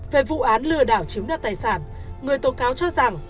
về vụ án lừa đảo chiếm đoạt tài sản người tố cáo cho rằng